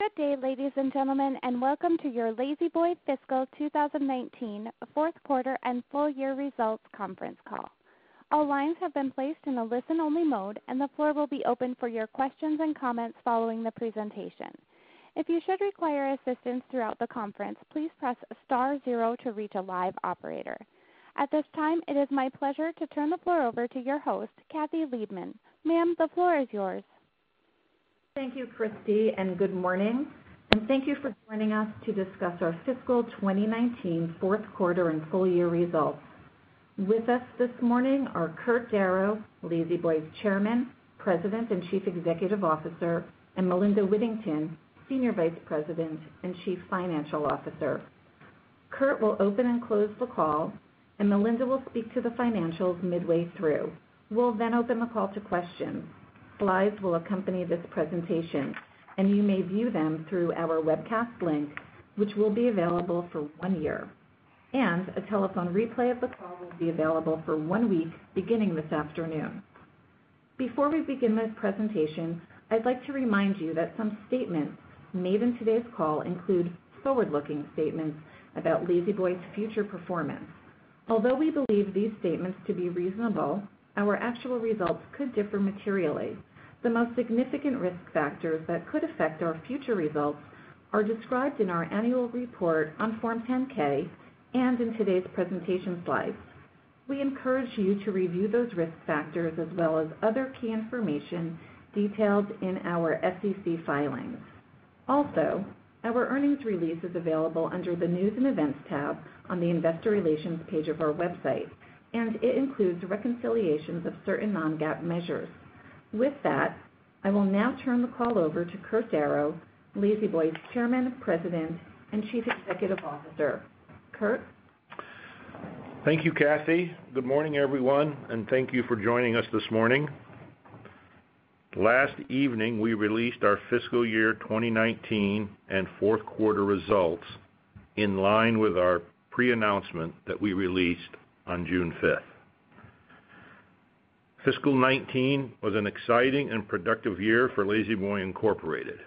Good day, ladies and gentlemen, welcome to your La-Z-Boy Fiscal 2019 Fourth Quarter and Full Year Results Conference Call. All lines have been placed in a listen-only mode, the floor will be open for your questions and comments following the presentation. If you should require assistance throughout the conference, please press star zero to reach a live operator. At this time, it is my pleasure to turn the floor over to your host, Kathy Liebmann. Ma'am, the floor is yours. Thank you, Christy, good morning, and thank you for joining us to discuss our fiscal 2019 fourth quarter and full year results. With us this morning are Kurt Darrow, La-Z-Boy's Chairman, President, and Chief Executive Officer, and Melinda Whittington, Senior Vice President and Chief Financial Officer. Kurt will open and close the call, and Melinda will speak to the financials midway through. We'll open the call to questions. Slides will accompany this presentation, and you may view them through our webcast link, which will be available for one year. A telephone replay of the call will be available for one week beginning this afternoon. Before we begin this presentation, I'd like to remind you that some statements made in today's call include forward-looking statements about La-Z-Boy's future performance. Although we believe these statements to be reasonable, our actual results could differ materially. The most significant risk factors that could affect our future results are described in our annual report on Form 10-K and in today's presentation slides. We encourage you to review those risk factors as well as other key information detailed in our SEC filings. Also, our earnings release is available under the News & Events tab on the Investor Relations page of our website, and it includes reconciliations of certain non-GAAP measures. With that, I will now turn the call over to Kurt Darrow, La-Z-Boy's Chairman, President, and Chief Executive Officer. Kurt? Thank you, Kathy. Good morning, everyone, thank you for joining us this morning. Last evening, we released our fiscal year 2019 and fourth quarter results in line with our pre-announcement that we released on June 5. Fiscal 2019 was an exciting and productive year for La-Z-Boy Incorporated.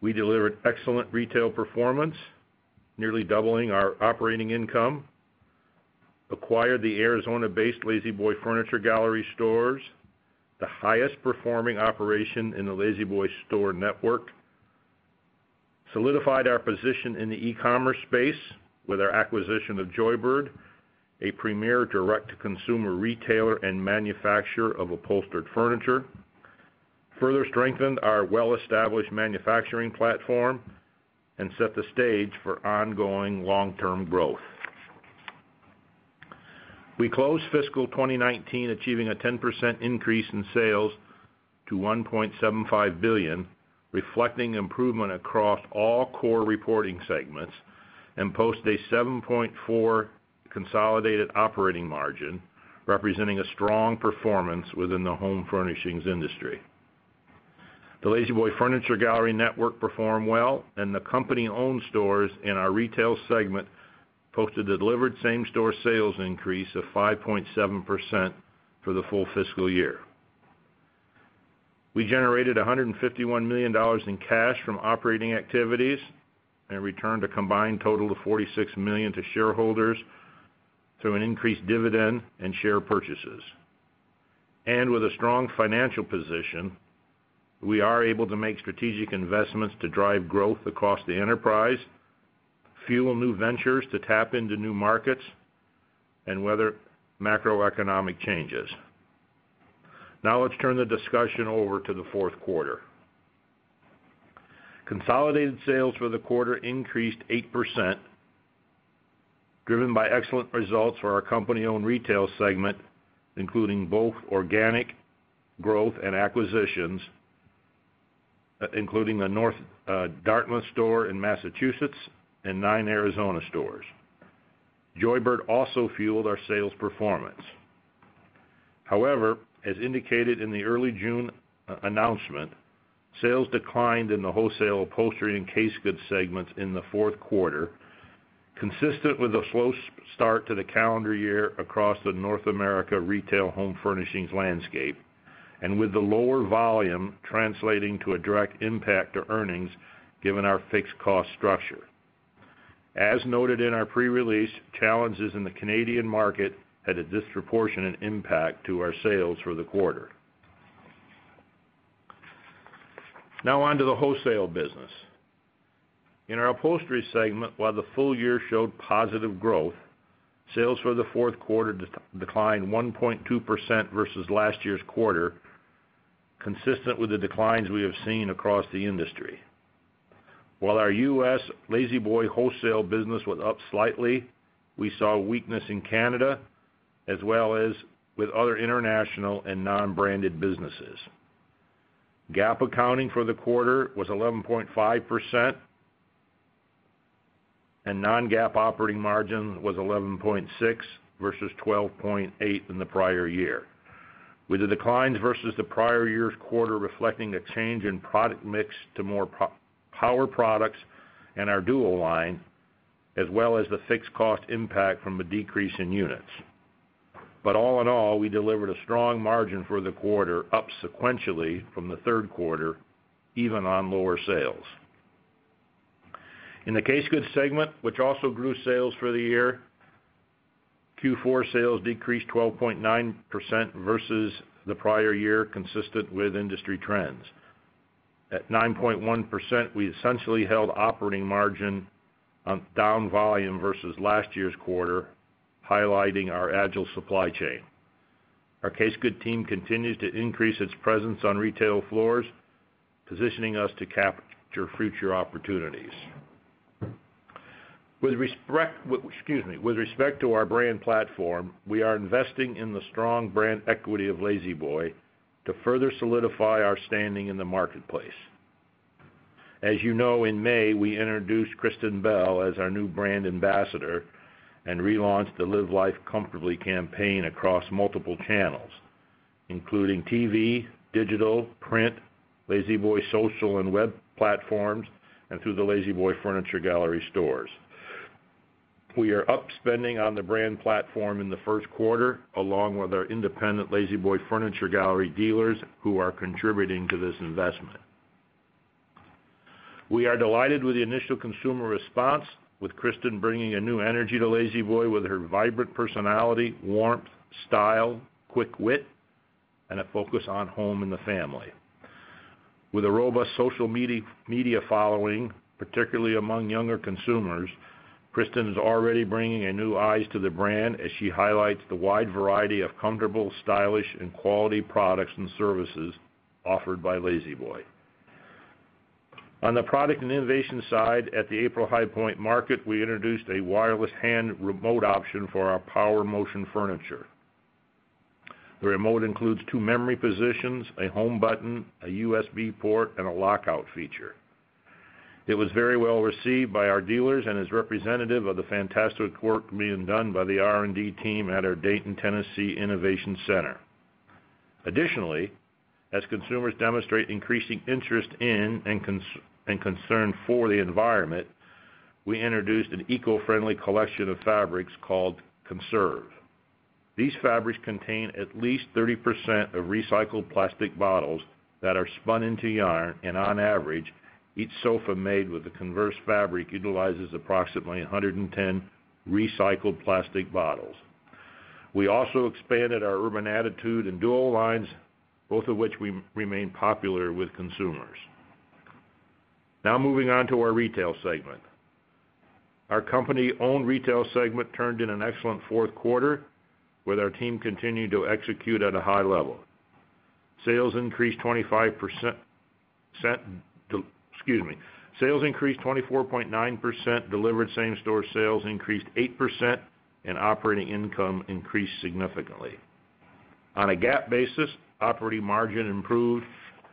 We delivered excellent retail performance, nearly doubling our operating income, acquired the Arizona-based La-Z-Boy Furniture Gallery stores, the highest performing operation in the La-Z-Boy store network, solidified our position in the e-commerce space with our acquisition of Joybird, a premier direct-to-consumer retailer and manufacturer of upholstered furniture, further strengthened our well-established manufacturing platform and set the stage for ongoing long-term growth. We closed fiscal 2019 achieving a 10% increase in sales to $1.75 billion, reflecting improvement across all core reporting segments and post a 7.4% consolidated operating margin, representing a strong performance within the home furnishings industry. The La-Z-Boy Furniture Galleries network performed well, the company-owned stores in our retail segment posted a delivered same-store sales increase of 5.7% for the full fiscal year. We generated $151 million in cash from operating activities and returned a combined total of $46 million to shareholders through an increased dividend and share purchases. With a strong financial position, we are able to make strategic investments to drive growth across the enterprise, fuel new ventures to tap into new markets, and weather macroeconomic changes. Let's turn the discussion over to the fourth quarter. Consolidated sales for the quarter increased 8%, driven by excellent results for our company-owned retail segment, including both organic growth and acquisitions, including the North Dartmouth store in Massachusetts and nine Arizona stores. Joybird also fueled our sales performance. However, as indicated in the early June announcement, sales declined in the wholesale upholstery and case goods segments in the fourth quarter, consistent with a slow start to the calendar year across the North America retail home furnishings landscape and with the lower volume translating to a direct impact to earnings given our fixed cost structure. As noted in our pre-release, challenges in the Canadian market had a disproportionate impact to our sales for the quarter. On to the wholesale business. In our upholstery segment, while the full year showed positive growth, sales for the fourth quarter declined 1.2% versus last year's quarter, consistent with the declines we have seen across the industry. While our U.S. La-Z-Boy wholesale business was up slightly, we saw weakness in Canada as well as with other international and non-branded businesses. GAAP accounting for the quarter was 11.5%, non-GAAP operating margin was 11.6% versus 12.8% in the prior year. With the declines versus the prior year's quarter reflecting a change in product mix to more power products and our Duo line, as well as the fixed cost impact from the decrease in units. All in all, we delivered a strong margin for the quarter, up sequentially from the third quarter, even on lower sales. In the case goods segment, which also grew sales for the year, Q4 sales decreased 12.9% versus the prior year, consistent with industry trends. At 9.1%, we essentially held operating margin on down volume versus last year's quarter, highlighting our agile supply chain. Our case goods team continues to increase its presence on retail floors, positioning us to capture future opportunities. With respect to our brand platform, we are investing in the strong brand equity of La-Z-Boy to further solidify our standing in the marketplace. As you know, in May, we introduced Kristen Bell as our new brand ambassador and relaunched the Live Life Comfortably campaign across multiple channels, including TV, digital, print, La-Z-Boy social and web platforms, and through the La-Z-Boy Furniture Galleries stores. We are up-spending on the brand platform in the first quarter, along with our independent La-Z-Boy Furniture Galleries dealers who are contributing to this investment. We are delighted with the initial consumer response, with Kristen bringing a new energy to La-Z-Boy with her vibrant personality, warmth, style, quick wit, and a focus on home and the family. With a robust social media following, particularly among younger consumers, Kristen is already bringing new eyes to the brand as she highlights the wide variety of comfortable, stylish, and quality products and services offered by La-Z-Boy. On the product and innovation side, at the April High Point Market, we introduced a wireless hand remote option for our power motion furniture. The remote includes two memory positions, a home button, a USB port, and a lockout feature. It was very well received by our dealers and is representative of the fantastic work being done by the R&D team at our Dayton, Tennessee innovation center. Additionally, as consumers demonstrate increasing interest in and concern for the environment, we introduced an eco-friendly collection of fabrics called Conserve. These fabrics contain at least 30% of recycled plastic bottles that are spun into yarn and on average, each sofa made with the Conserve fabric utilizes approximately 110 recycled plastic bottles. We also expanded our Urban Attitudes and Duo lines, both of which remain popular with consumers. Moving on to our retail segment. Our company-owned retail segment turned in an excellent fourth quarter, with our team continuing to execute at a high level. Sales increased 24.9%, delivered same-store sales increased 8%, and operating income increased significantly. On a GAAP basis, operating margin improved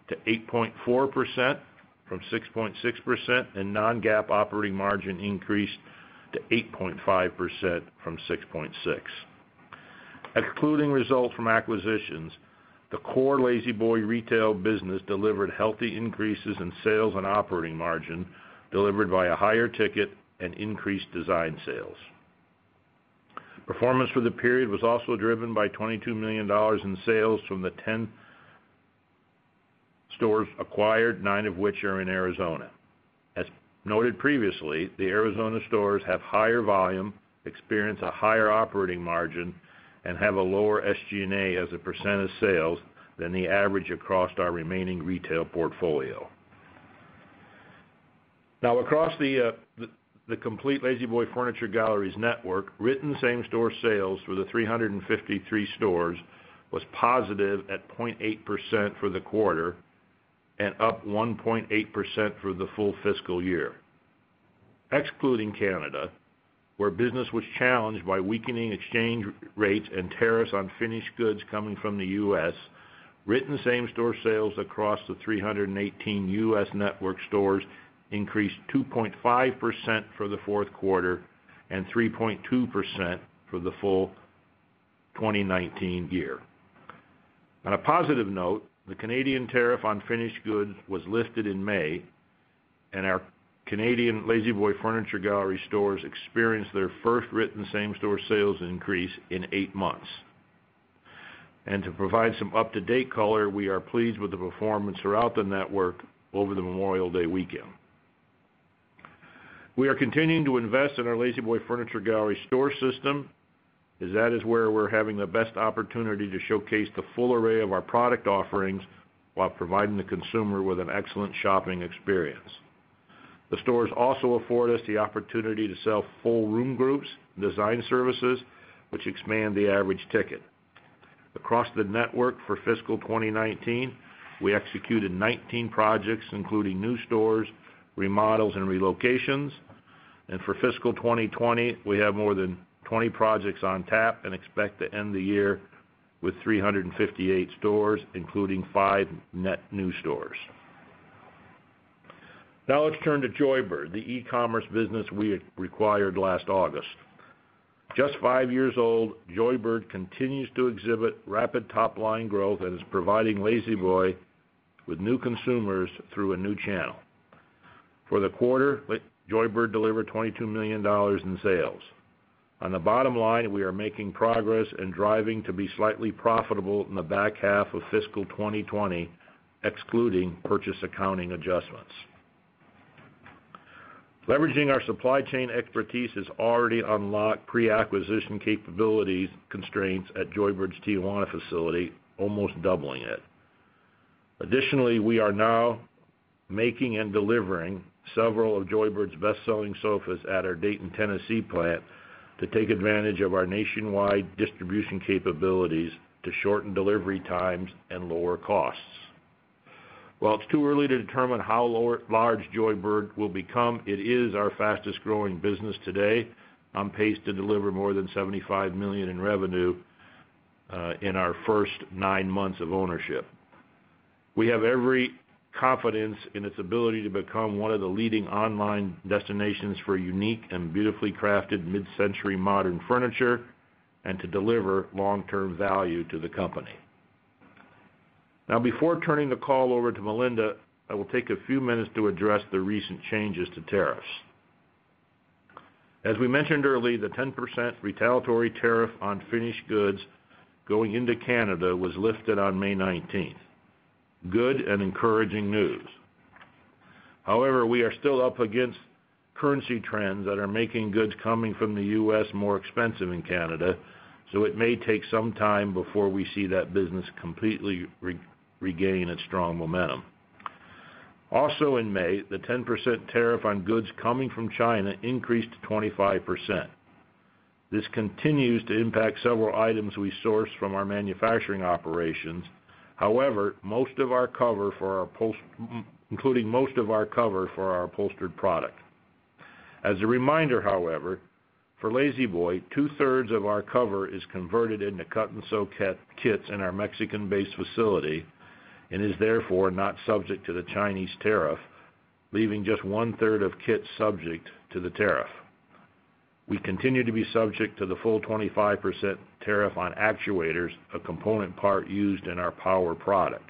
to 8.4% from 6.6%, and non-GAAP operating margin increased to 8.5% from 6.6%. Excluding results from acquisitions, the core La-Z-Boy retail business delivered healthy increases in sales and operating margin delivered by a higher ticket and increased design sales. Performance for the period was also driven by $22 million in sales from the 10 stores acquired, nine of which are in Arizona. As noted previously, the Arizona stores have higher volume, experience a higher operating margin, and have a lower SG&A as a percent of sales than the average across our remaining retail portfolio. Across the complete La-Z-Boy Furniture Galleries network, written same-store sales for the 353 stores was positive at 0.8% for the quarter and up 1.8% for the full fiscal year. Excluding Canada, where business was challenged by weakening exchange rates and tariffs on finished goods coming from the U.S., written same-store sales across the 318 U.S. network stores increased 2.5% for the fourth quarter and 3.2% for the full 2019 year. On a positive note, the Canadian tariff on finished goods was lifted in May, and our Canadian La-Z-Boy Furniture Gallery stores experienced their first written same-store sales increase in eight months. To provide some up-to-date color, we are pleased with the performance throughout the network over the Memorial Day weekend. We are continuing to invest in our La-Z-Boy Furniture Gallery store system, as that is where we're having the best opportunity to showcase the full array of our product offerings while providing the consumer with an excellent shopping experience. The stores also afford us the opportunity to sell full room groups and design services, which expand the average ticket. Across the network for fiscal 2019, we executed 19 projects, including new stores, remodels, and relocations. For fiscal 2020, we have more than 20 projects on tap and expect to end the year with 358 stores, including five net new stores. Now let's turn to Joybird, the e-commerce business we acquired last August. Just five years old, Joybird continues to exhibit rapid top-line growth and is providing La-Z-Boy with new consumers through a new channel. For the quarter, Joybird delivered $22 million in sales. On the bottom line, we are making progress and driving to be slightly profitable in the back half of fiscal 2020, excluding purchase accounting adjustments. Leveraging our supply chain expertise has already unlocked pre-acquisition capabilities constraints at Joybird's Tijuana facility, almost doubling it. Additionally, we are now making and delivering several of Joybird's best-selling sofas at our Dayton, Tennessee plant to take advantage of our nationwide distribution capabilities to shorten delivery times and lower costs. While it's too early to determine how large Joybird will become, it is our fastest-growing business today, on pace to deliver more than $75 million in revenue in our first nine months of ownership. We have every confidence in its ability to become one of the leading online destinations for unique and beautifully crafted mid-century modern furniture and to deliver long-term value to the company. Now, before turning the call over to Melinda, I will take a few minutes to address the recent changes to tariffs. As we mentioned earlier, the 10% retaliatory tariff on finished goods going into Canada was lifted on May 19. Good and encouraging news. However, we are still up against currency trends that are making goods coming from the U.S. more expensive in Canada, it may take some time before we see that business completely regain its strong momentum. Also in May, the 10% tariff on goods coming from China increased to 25%. This continues to impact several items we source from our manufacturing operations, including most of our cover for our upholstered product. As a reminder, however, for La-Z-Boy, 2/3 of our cover is converted into cut-and-sew kits in our Mexican-based facility and is therefore not subject to the Chinese tariff, leaving just 1/3 of kits subject to the tariff. We continue to be subject to the full 25% tariff on actuators, a component part used in our power product.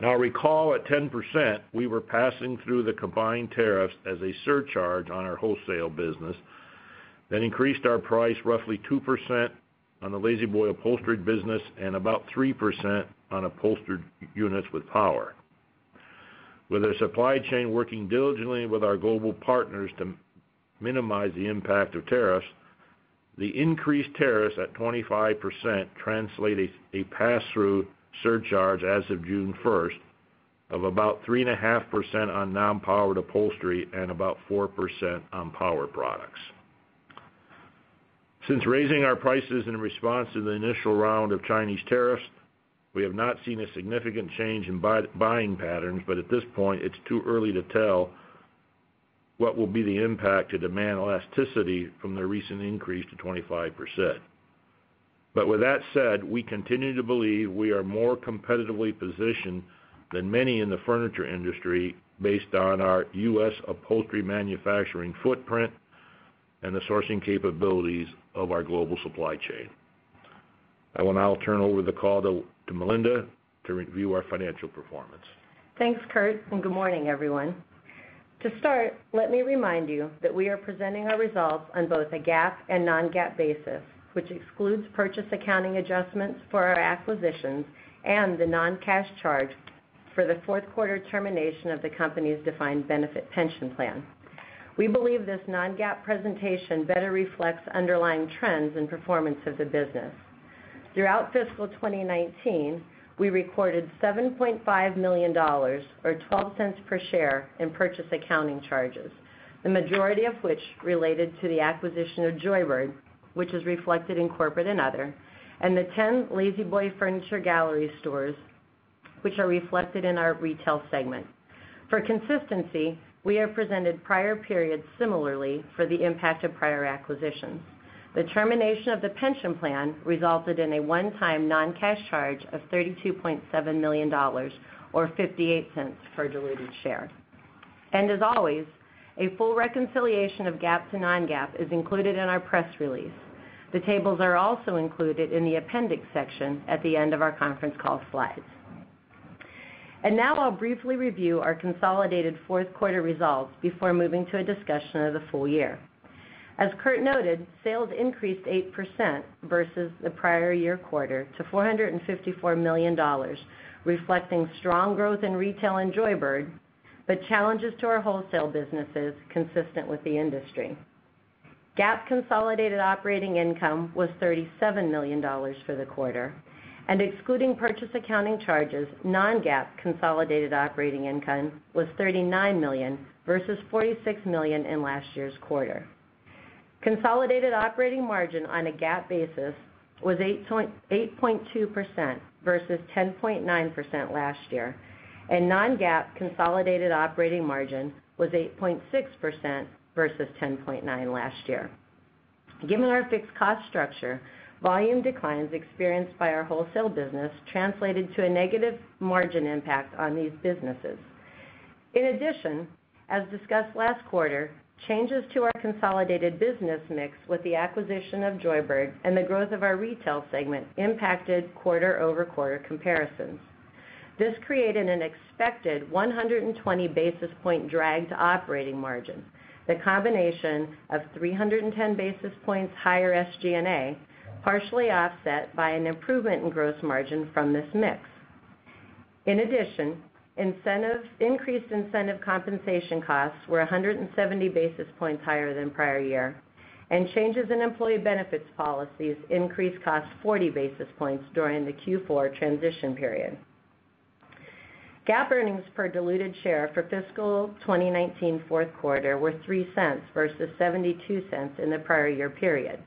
Now recall at 10%, we were passing through the combined tariffs as a surcharge on our wholesale business. That increased our price roughly 2% on the La-Z-Boy Upholstered business and about 3% on upholstered units with power. With our supply chain working diligently with our global partners to minimize the impact of tariffs, the increased tariffs at 25% translate a pass-through surcharge as of June 1 of about 3.5% on non-powered upholstery and about 4% on power products. Since raising our prices in response to the initial round of Chinese tariffs, we have not seen a significant change in buying patterns, but at this point, it's too early to tell what will be the impact to demand elasticity from the recent increase to 25%. With that said, we continue to believe we are more competitively positioned than many in the furniture industry based on our U.S. upholstery manufacturing footprint and the sourcing capabilities of our global supply chain. I will now turn over the call to Melinda to review our financial performance. Thanks, Kurt. Good morning, everyone. To start, let me remind you that we are presenting our results on both a GAAP and non-GAAP basis, which excludes purchase accounting adjustments for our acquisitions and the non-cash charge for the fourth quarter termination of the company's defined benefit pension plan. We believe this non-GAAP presentation better reflects underlying trends and performance of the business. Throughout fiscal 2019, we recorded $7.5 million, or $0.12 per share, in purchase accounting charges, the majority of which related to the acquisition of Joybird, which is reflected in corporate and other, and the 10 La-Z-Boy Furniture Galleries stores, which are reflected in our retail segment. For consistency, we have presented prior periods similarly for the impact of prior acquisitions. The termination of the pension plan resulted in a one-time non-cash charge of $32.7 million, or $0.58 per diluted share. As always, a full reconciliation of GAAP to non-GAAP is included in our press release. The tables are also included in the appendix section at the end of our conference call slides. Now I'll briefly review our consolidated fourth quarter results before moving to a discussion of the full year. As Kurt noted, sales increased 8% versus the prior year quarter to $454 million, reflecting strong growth in retail and Joybird, but challenges to our wholesale businesses consistent with the industry. GAAP consolidated operating income was $37 million for the quarter, and excluding purchase accounting charges, non-GAAP consolidated operating income was $39 million versus $46 million in last year's quarter. Consolidated operating margin on a GAAP basis was 8.2% versus 10.9% last year, and non-GAAP consolidated operating margin was 8.6% versus 10.9% last year. Given our fixed cost structure, volume declines experienced by our wholesale business translated to a negative margin impact on these businesses. In addition, as discussed last quarter, changes to our consolidated business mix with the acquisition of Joybird and the growth of our retail segment impacted quarter-over-quarter comparisons. This created an expected 120 basis point drag to operating margin, the combination of 310 basis points higher SG&A, partially offset by an improvement in gross margin from this mix. In addition, increased incentive compensation costs were 170 basis points higher than prior year, and changes in employee benefits policies increased costs 40 basis points during the Q4 transition period. GAAP earnings per diluted share for fiscal 2019 fourth quarter were $0.03 versus $0.72 in the prior year period.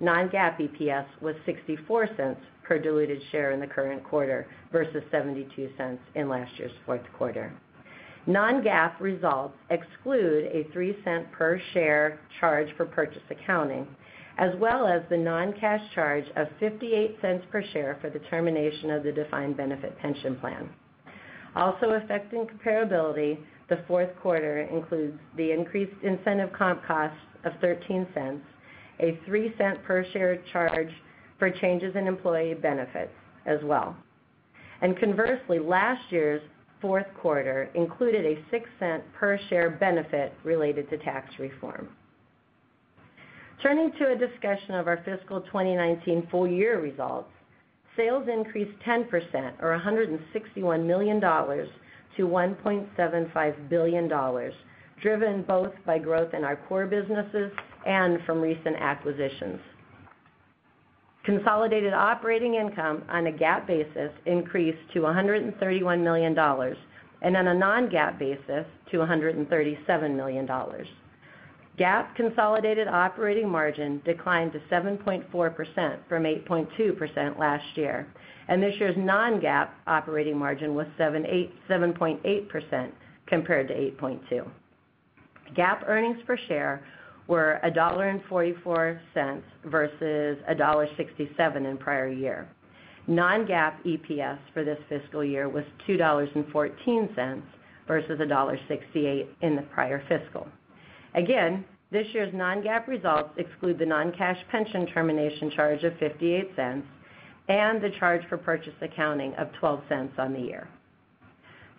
Non-GAAP EPS was $0.64 per diluted share in the current quarter versus $0.72 in last year's fourth quarter. Non-GAAP results exclude a $0.03 per share charge for purchase accounting, as well as the non-cash charge of $0.58 per share for the termination of the defined benefit pension plan. Also affecting comparability, the fourth quarter includes the increased incentive comp costs of $0.13, a $0.03 per share charge for changes in employee benefits as well. Conversely, last year's fourth quarter included a $0.06 per share benefit related to tax reform. Turning to a discussion of our fiscal 2019 full year results, sales increased 10% or $161 million to $1.75 billion, driven both by growth in our core businesses and from recent acquisitions. Consolidated operating income on a GAAP basis increased to $131 million, and on a non-GAAP basis to $137 million. GAAP consolidated operating margin declined to 7.4% from 8.2% last year, and this year's non-GAAP operating margin was 7.8% compared to 8.2%. GAAP earnings per share were $1.44 versus $1.67 in prior year. Non-GAAP EPS for this fiscal year was $2.14 versus $1.68 in the prior fiscal. This year's non-GAAP results exclude the non-cash pension termination charge of $0.58 and the charge for purchase accounting of $0.12 on the year.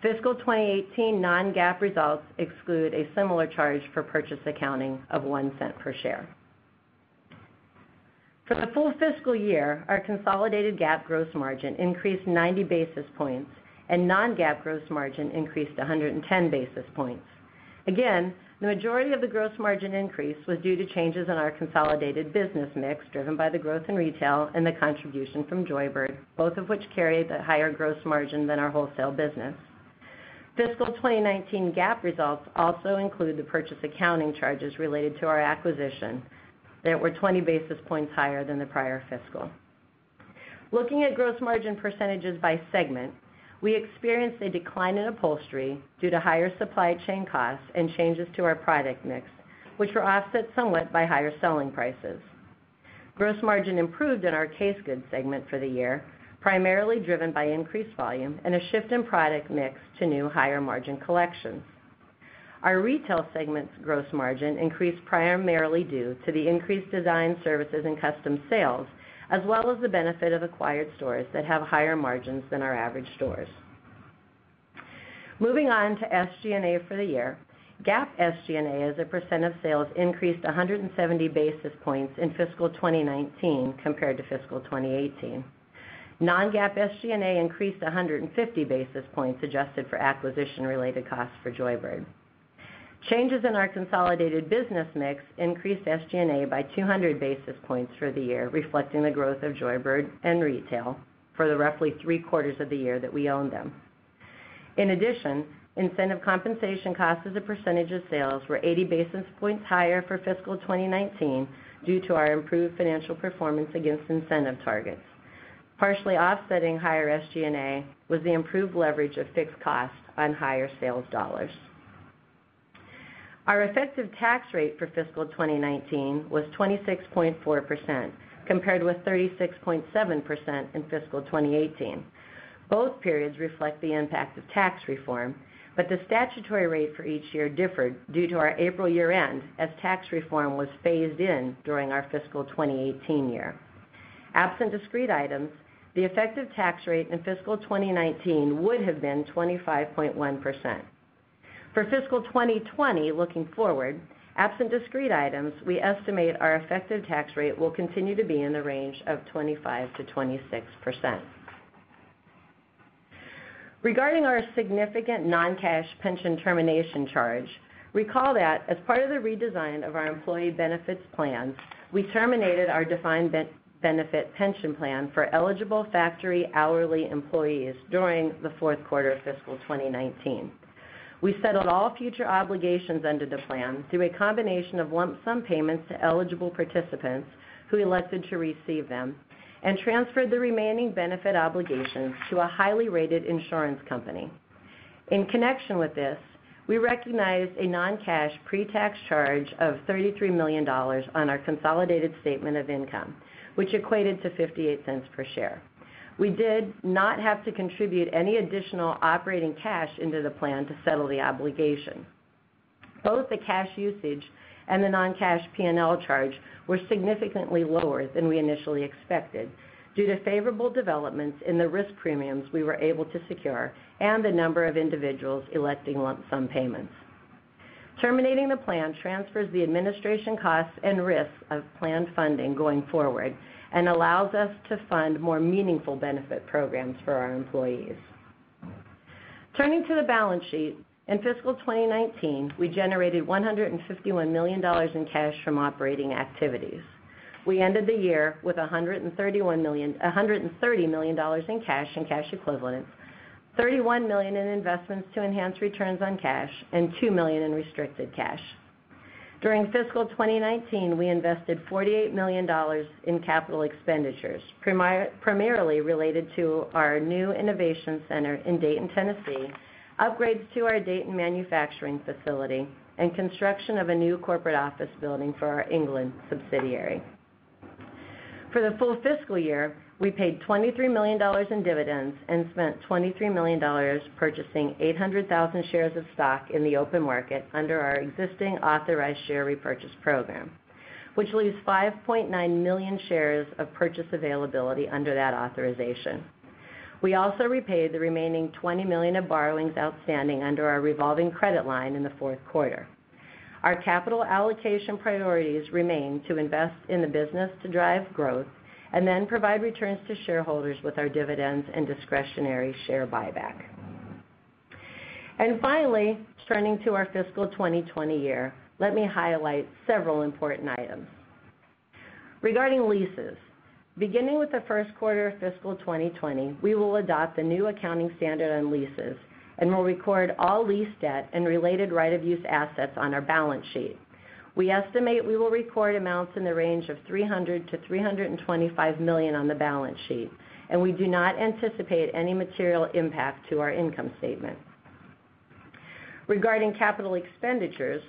Fiscal 2018 non-GAAP results exclude a similar charge for purchase accounting of $0.01 per share. For the full fiscal year, our consolidated GAAP gross margin increased 90 basis points, and non-GAAP gross margin increased 110 basis points. The majority of the gross margin increase was due to changes in our consolidated business mix, driven by the growth in retail and the contribution from Joybird, both of which carry the higher gross margin than our wholesale business. Fiscal 2019 GAAP results also include the purchase accounting charges related to our acquisition that were 20 basis points higher than the prior fiscal. Looking at gross margin percentages by segment, we experienced a decline in upholstery due to higher supply chain costs and changes to our product mix, which were offset somewhat by higher selling prices. Gross margin improved in our case goods segment for the year, primarily driven by increased volume and a shift in product mix to new higher margin collections. Our retail segment's gross margin increased primarily due to the increased design services and custom sales, as well as the benefit of acquired stores that have higher margins than our average stores. Moving on to SG&A for the year. GAAP SG&A as a percent of sales increased 170 basis points in fiscal 2019 compared to fiscal 2018. Non-GAAP SG&A increased 150 basis points adjusted for acquisition-related costs for Joybird. Changes in our consolidated business mix increased SG&A by 200 basis points for the year, reflecting the growth of Joybird and retail for the roughly three quarters of the year that we owned them. In addition, incentive compensation costs as a percentage of sales were 80 basis points higher for fiscal 2019 due to our improved financial performance against incentive targets. Partially offsetting higher SG&A was the improved leverage of fixed costs on higher sales dollars. Our effective tax rate for fiscal 2019 was 26.4%, compared with 36.7% in fiscal 2018. Both periods reflect the impact of tax reform, but the statutory rate for each year differed due to our April year-end as tax reform was phased in during our fiscal 2018 year. Absent discrete items, the effective tax rate in fiscal 2019 would have been 25.1%. For fiscal 2020, looking forward, absent discrete items, we estimate our effective tax rate will continue to be in the range of 25%-26%. Regarding our significant non-cash pension termination charge, recall that as part of the redesign of our employee benefits plans, we terminated our defined benefit pension plan for eligible factory hourly employees during the fourth quarter of fiscal 2019. We settled all future obligations under the plan through a combination of lump sum payments to eligible participants who elected to receive them and transferred the remaining benefit obligations to a highly rated insurance company. In connection with this, we recognized a non-cash pre-tax charge of $33 million on our consolidated statement of income, which equated to $0.58 per share. We did not have to contribute any additional operating cash into the plan to settle the obligation. Both the cash usage and the non-cash P&L charge were significantly lower than we initially expected due to favorable developments in the risk premiums we were able to secure and the number of individuals electing lump sum payments. Terminating the plan transfers the administration costs and risks of plan funding going forward and allows us to fund more meaningful benefit programs for our employees. Turning to the balance sheet, in fiscal 2019, we generated $151 million in cash from operating activities. We ended the year with $130 million in cash and cash equivalents, $31 million in investments to enhance returns on cash, and $2 million in restricted cash. During fiscal 2019, we invested $48 million in capital expenditures, primarily related to our new innovation center in Dayton, Tennessee, upgrades to our Dayton manufacturing facility, and construction of a new corporate office building for our England subsidiary. For the full fiscal year, we paid $23 million in dividends and spent $23 million purchasing 800,000 shares of stock in the open market under our existing authorized share repurchase program, which leaves 5.9 million shares of purchase availability under that authorization. We also repaid the remaining $20 million of borrowings outstanding under our revolving credit line in the fourth quarter. Our capital allocation priorities remain to invest in the business to drive growth, then provide returns to shareholders with our dividends and discretionary share buyback. Finally, turning to our fiscal 2020 year, let me highlight several important items. Regarding leases, beginning with the first quarter of fiscal 2020, we will adopt the new accounting standard on leases and will record all lease debt and related right-of-use assets on our balance sheet. We estimate we will record amounts in the range of $300 million-$325 million on the balance sheet, and we do not anticipate any material impact to our income statement. Regarding capital expenditures,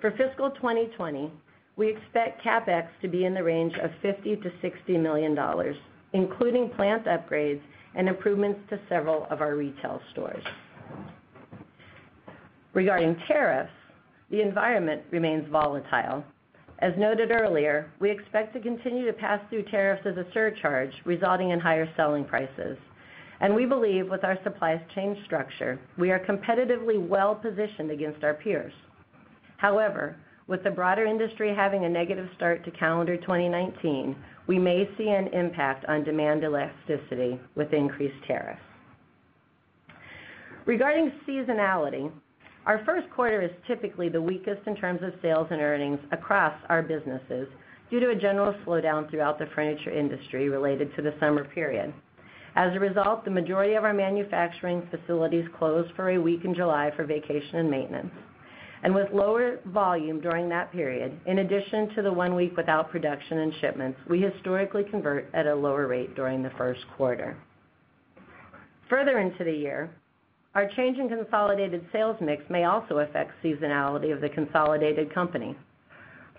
for fiscal 2020, we expect CapEx to be in the range of $50 million-$60 million, including plant upgrades and improvements to several of our retail stores. Regarding tariffs, the environment remains volatile. As noted earlier, we expect to continue to pass through tariffs as a surcharge, resulting in higher selling prices. We believe with our supply chain structure, we are competitively well positioned against our peers. With the broader industry having a negative start to calendar 2019, we may see an impact on demand elasticity with increased tariffs. Regarding seasonality, our first quarter is typically the weakest in terms of sales and earnings across our businesses due to a general slowdown throughout the furniture industry related to the summer period. As a result, the majority of our manufacturing facilities close for a week in July for vacation and maintenance. With lower volume during that period, in addition to the one week without production and shipments, we historically convert at a lower rate during the first quarter. Further into the year, our change in consolidated sales mix may also affect seasonality of the consolidated company.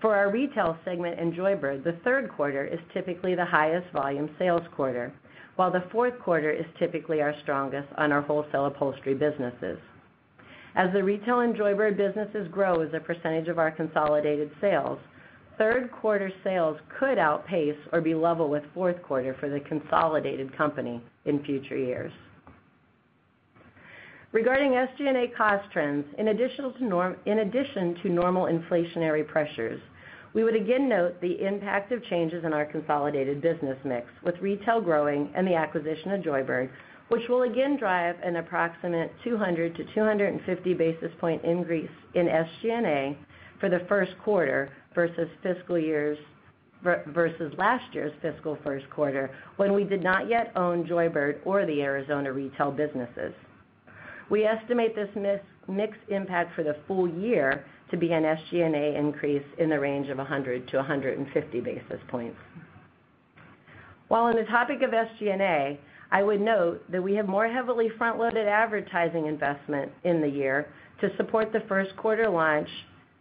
For our retail segment in Joybird, the third quarter is typically the highest volume sales quarter, while the fourth quarter is typically our strongest on our wholesale upholstery businesses. As the retail and Joybird businesses grow as a percentage of our consolidated sales, third quarter sales could outpace or be level with fourth quarter for the consolidated company in future years. Regarding SG&A cost trends, in addition to normal inflationary pressures, we would again note the impact of changes in our consolidated business mix with retail growing and the acquisition of Joybird, which will again drive an approximate 200-250 basis point increase in SG&A for the first quarter versus last year's fiscal first quarter when we did not yet own Joybird or the Arizona retail businesses. We estimate this mix impact for the full year to be an SG&A increase in the range of 100-150 basis points. While on the topic of SG&A, I would note that we have more heavily front-loaded advertising investment in the year to support the first quarter launch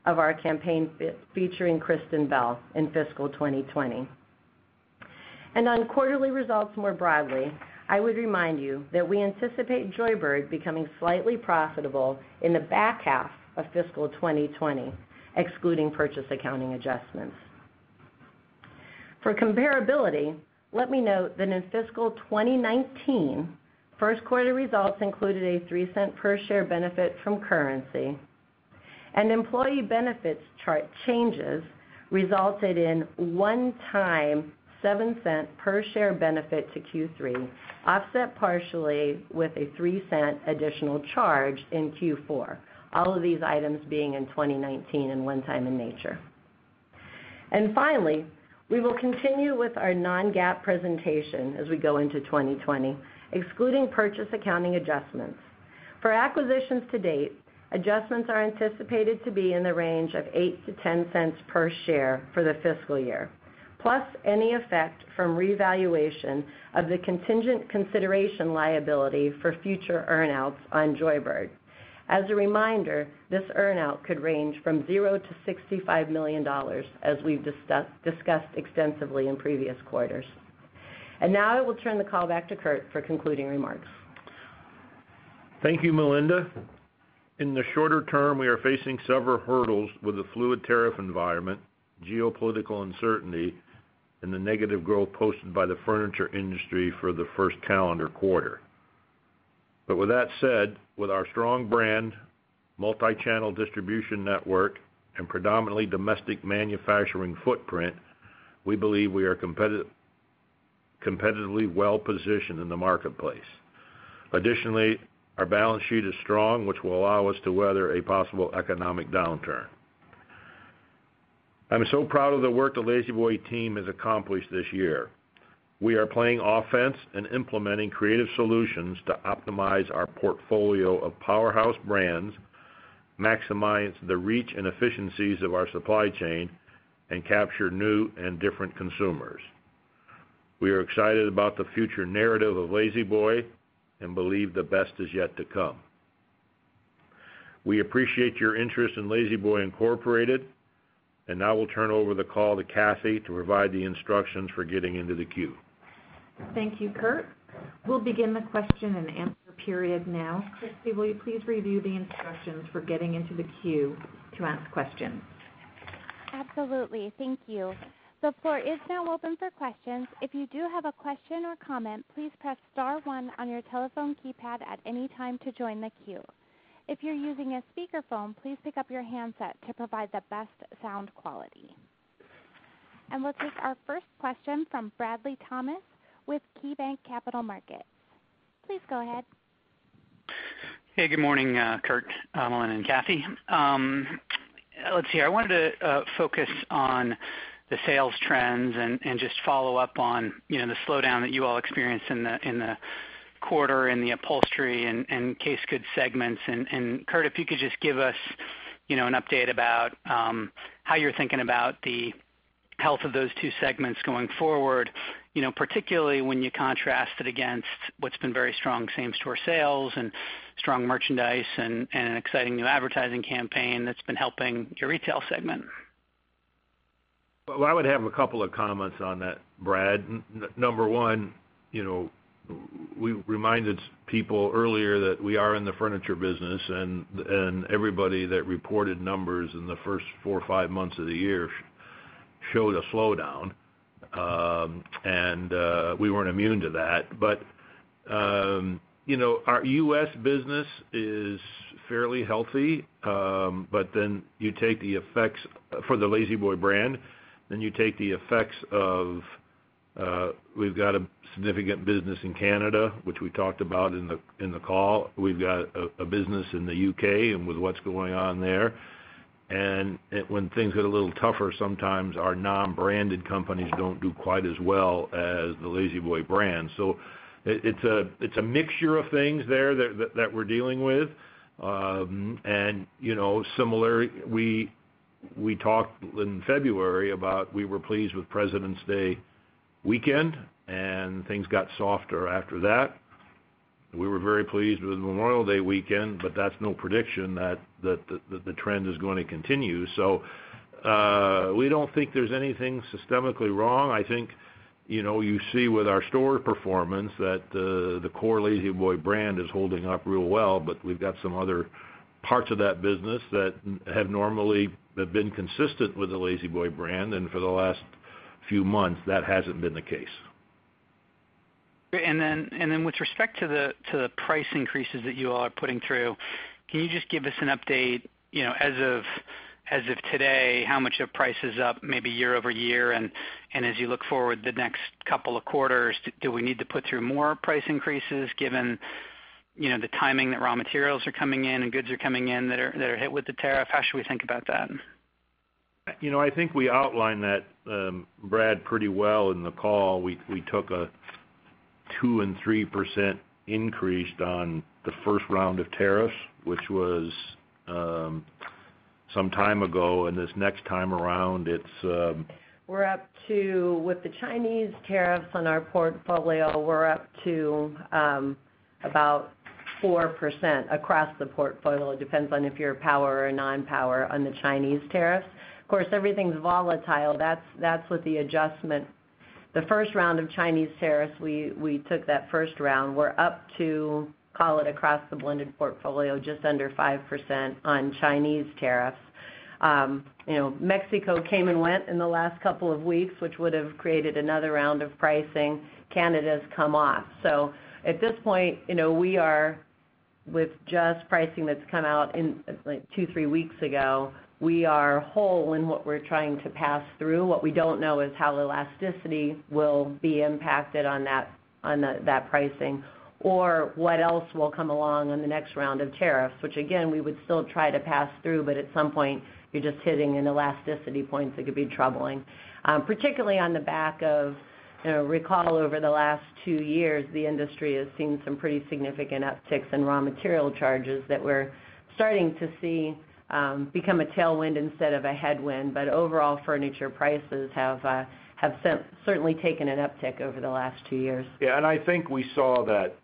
of our campaign featuring Kristen Bell in fiscal 2020. On quarterly results more broadly, I would remind you that we anticipate Joybird becoming slightly profitable in the back half of fiscal 2020, excluding purchase accounting adjustments. For comparability, let me note that in fiscal 2019, first quarter results included a $0.03 per share benefit from currency, and employee benefits chart changes resulted in one-time $0.07 per share benefit to Q3, offset partially with a $0.03 additional charge in Q4. All of these items being in 2019 and one time in nature. Finally, we will continue with our non-GAAP presentation as we go into 2020, excluding purchase accounting adjustments. For acquisitions to date, adjustments are anticipated to be in the range of eight to $0.10 per share for the fiscal year, plus any effect from revaluation of the contingent consideration liability for future earn-outs on Joybird. As a reminder, this earn-out could range from zero to $65 million, as we've discussed extensively in previous quarters. Now I will turn the call back to Kurt for concluding remarks. Thank you, Melinda. In the shorter term, we are facing several hurdles with the fluid tariff environment, geopolitical uncertainty, and the negative growth posted by the furniture industry for the first calendar quarter. With that said, with our strong brand, multi-channel distribution network, and predominantly domestic manufacturing footprint, we believe we are competitively well-positioned in the marketplace. Additionally, our balance sheet is strong, which will allow us to weather a possible economic downturn. I'm so proud of the work the La-Z-Boy team has accomplished this year. We are playing offense and implementing creative solutions to optimize our portfolio of powerhouse brands, maximize the reach and efficiencies of our supply chain, and capture new and different consumers. We are excited about the future narrative of La-Z-Boy and believe the best is yet to come. We appreciate your interest in La-Z-Boy Incorporated, now we'll turn over the call to Kathy to provide the instructions for getting into the queue. Thank you, Kurt. We'll begin the question and answer period now. Christy, will you please review the instructions for getting into the queue to ask questions? Absolutely. Thank you. The floor is now open for questions. If you do have a question or comment, please press star one on your telephone keypad at any time to join the queue. If you're using a speakerphone, please pick up your handset to provide the best sound quality. We'll take our first question from Bradley Thomas with KeyBanc Capital Markets. Please go ahead. Hey, good morning, Kurt, Melinda, and Kathy. Let's see. I wanted to focus on the sales trends and just follow up on the slowdown that you all experienced in the quarter in the upholstery and case goods segments. Kurt, if you could just give us an update about how you're thinking about the health of those two segments going forward, particularly when you contrast it against what's been very strong same-store sales and strong merchandise and an exciting new advertising campaign that's been helping your retail segment. Well, I would have a couple of comments on that, Bradley. Number one, we reminded people earlier that we are in the furniture business and everybody that reported numbers in the first four or five months of the year showed a slowdown. We weren't immune to that. Our U.S. business is fairly healthy. You take the effects for the La-Z-Boy brand, you take the effects of, we've got a significant business in Canada, which we talked about in the call. We've got a business in the U.K. and with what's going on there. When things get a little tougher, sometimes our non-branded companies don't do quite as well as the La-Z-Boy brand. It's a mixture of things there that we're dealing with. Similarly, we talked in February about we were pleased with Presidents' Day weekend, and things got softer after that. We were very pleased with Memorial Day weekend, that's no prediction that the trend is going to continue. We don't think there's anything systemically wrong. I think you see with our store performance that the core La-Z-Boy brand is holding up real well, we've got some other parts of that business that have normally been consistent with the La-Z-Boy brand, and for the last few months, that hasn't been the case. With respect to the price increases that you all are putting through, can you just give us an update as of today, how much are prices up maybe year-over-year? As you look forward the next couple of quarters, do we need to put through more price increases given the timing that raw materials are coming in and goods are coming in that are hit with the tariff? How should we think about that? I think we outlined that, Bradley, pretty well in the call. We took a 2% and 3% increase on the first round of tariffs, which was some time ago, this next time around, it's- With the Chinese tariffs on our portfolio, we're up to about 4% across the portfolio. It depends on if you're power or non-power on the Chinese tariffs. Of course, everything's volatile. That's with the adjustment. The first round of Chinese tariffs, we took that first round. We're up to, call it across the blended portfolio, just under 5% on Chinese tariffs. Mexico came and went in the last couple of weeks, which would have created another round of pricing. Canada's come off. At this point, with just pricing that's come out in two, three weeks ago, we are whole in what we're trying to pass through. What we don't know is how elasticity will be impacted on that pricing or what else will come along on the next round of tariffs, which again, we would still try to pass through, but at some point you're just hitting an elasticity point that could be troubling. Particularly on the back of recall over the last two years, the industry has seen some pretty significant upticks in raw material charges that we're starting to see become a tailwind instead of a headwind. Overall, furniture prices have certainly taken an uptick over the last two years. I think we saw that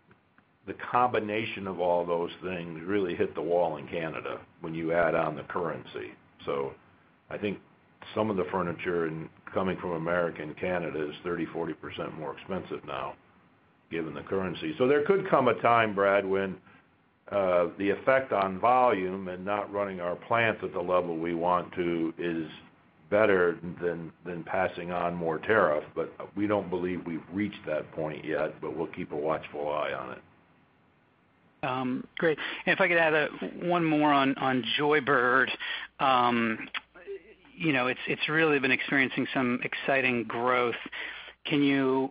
the combination of all those things really hit the wall in Canada when you add on the currency. I think some of the furniture coming from America into Canada is 30%, 40% more expensive now, given the currency. There could come a time, Bradley, when the effect on volume and not running our plant at the level we want to is better than passing on more tariff. We don't believe we've reached that point yet, but we'll keep a watchful eye on it. Great. If I could add one more on Joybird. It's really been experiencing some exciting growth. Can you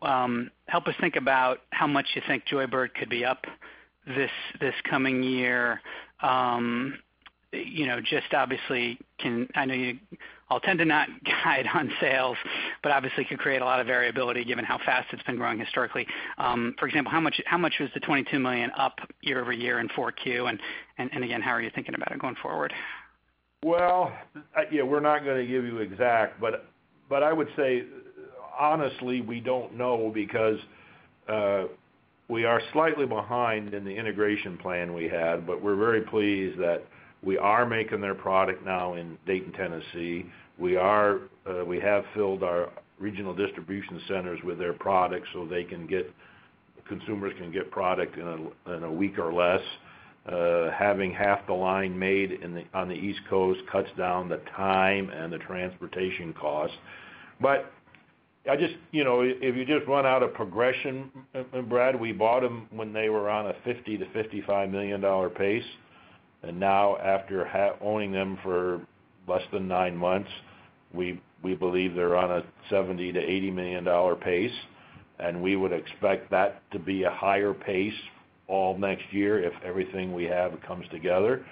help us think about how much you think Joybird could be up this coming year? I know you all tend to not guide on sales, but obviously it could create a lot of variability given how fast it's been growing historically. For example, how much was the $22 million up year over year in 4Q, and again, how are you thinking about it going forward? We're not going to give you exact, but I would say, honestly, we don't know because we are slightly behind in the integration plan we had. We're very pleased that we are making their product now in Dayton, Tennessee. We have filled our regional distribution centers with their products so consumers can get product in a week or less. Having half the line made on the East Coast cuts down the time and the transportation cost. If you just run out a progression, Bradley, we bought them when they were on a $50 million-$55 million pace. Now after owning them for less than nine months, we believe they're on a $70 million-$80 million pace, and we would expect that to be a higher pace all next year if everything we have comes together.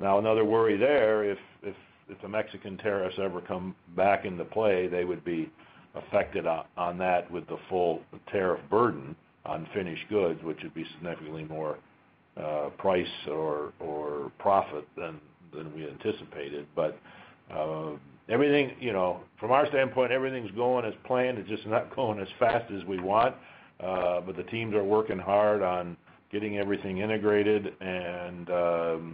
Now, another worry there, if the Mexican tariffs ever come back into play, they would be affected on that with the full tariff burden on finished goods, which would be significantly more price or profit than we anticipated. From our standpoint, everything's going as planned. It's just not going as fast as we want. The teams are working hard on getting everything integrated. The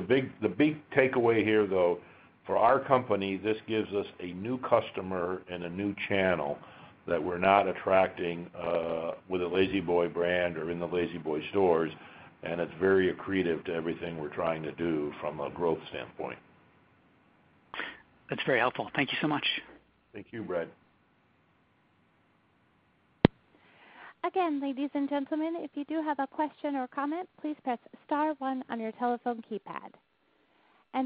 big takeaway here, though, for our company, this gives us a new customer and a new channel that we're not attracting with a La-Z-Boy brand or in the La-Z-Boy stores. It's very accretive to everything we're trying to do from a growth standpoint. That's very helpful. Thank you so much. Thank you, Bradley. Again, ladies and gentlemen, if you do have a question or comment, please press star one on your telephone keypad.